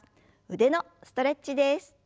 腕のストレッチです。